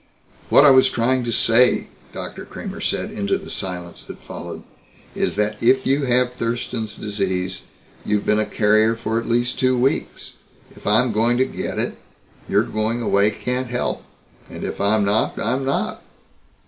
"What I was trying to say," Dr. Kramer said into the silence that followed, "is that if you have Thurston's Disease, you've been a carrier for at least two weeks. If I am going to get it, your going away can't help. And if I'm not, I'm not."